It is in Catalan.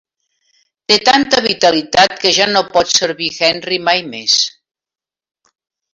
Té tanta vitalitat que ja no pot servir Henry mai més.